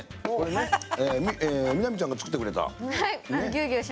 美波ちゃんが作ってくれた。